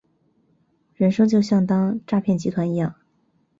人生就像当诈骗集团一样